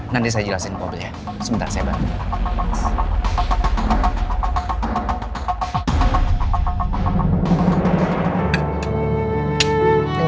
nanti saya jelasin mobilnya sebentar saya bantu